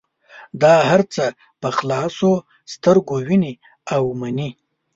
دا هر څه په خلاصو سترګو وینې او مني.